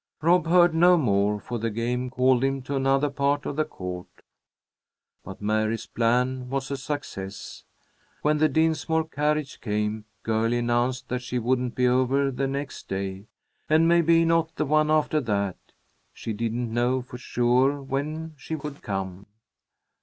Rob heard no more, for the game called him to another part of the court, but Mary's plan was a success. When the Dinsmore carriage came, Girlie announced that she wouldn't be over the next day, and maybe not the one after that. She didn't know for sure when she could come.